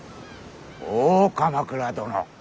大鎌倉殿。